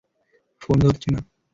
Phone ধরছে না।